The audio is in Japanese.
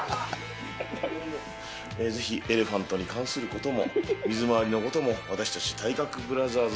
ぜひエレファントに関することも、水回りのことも、私たち体格ブラザーズ